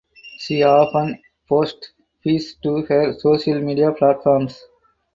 She often posts pieces to her social media platforms.